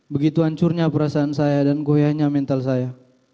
begitu hancurnya perasaan saya dan goyahnya mental saya